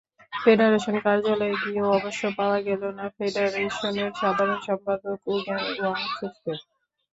Federation কার্যালয়ে গিয়েও অবশ্য পাওয়া গেল না ফেডারেশনের সাধারণ সম্পাদক উগেন ওয়াংচুককে।